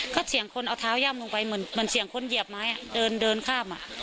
ก็เสียงคนเอาเท้าย่ำลงไปเหมือนเสียงคนเหยียบไม้เดินข้ามอ่ะ